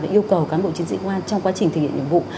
yêu cầu cán bộ chiến sĩ công an trong quá trình thực hiện nhiệm vụ